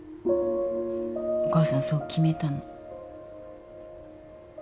お母さんそう決めたの。